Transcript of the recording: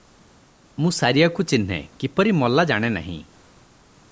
"ମୁଁ ସାରିଆକୁ ଚିହ୍ନେ, କିପରି ମଲା ଜାଣେ ନାହିଁ ।